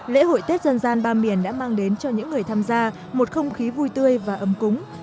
lễ hội tết dân gian ba miền đã mang đến cho những người tham gia một không khí vui tươi và ấm cúng